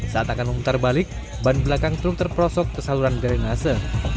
saat akan memutar balik ban belakang truk terprosok ke saluran drenase